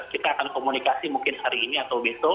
kita akan komunikasi mungkin hari ini atau besok